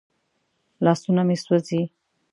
لاسونه مې سوځي.